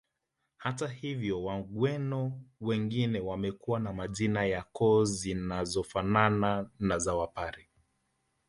Hata hivyo wagweno wengine wamekuwa na majina ya koo zinazofanana na za wapare